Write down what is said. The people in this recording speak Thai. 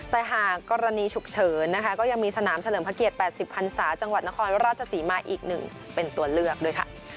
แต่หากกรณีฉุกเฉินนะคะก็ยังมีสนามเฉลิมพระเกียรติ๘๐พันศาจังหวัดนครราชศรีมาอีก๑เป็นตัวเลือกด้วยค่ะ